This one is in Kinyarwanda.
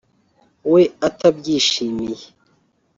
we atabyishimiye